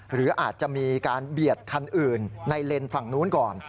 หรืออาจจะมีการเบียดคันอื่นในเลนส์ฝั่งนู้นก่อน